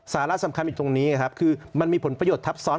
สาระสำคัญอยู่ตรงนี้ครับคือมันมีผลประโยชนทับซ้อน